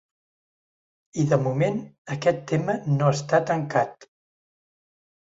I de moment, aquest tema no està tancat.